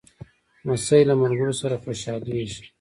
لمسی له ملګرو سره خوشحالېږي.